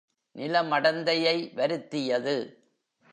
நில மடந்தையை வருத்தியது.